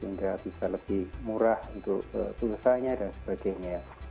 sehingga bisa lebih murah untuk pulsanya dan sebagainya